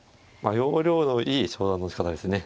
要領のいい昇段のしかたですね。